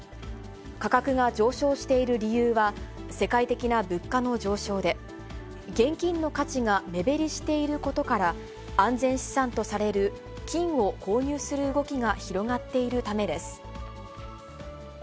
価格が上昇している理由は、世界的な物価の上昇で、現金の価値が目減りしていることから、安全資産とされる金を購入する動きが広がっているためです。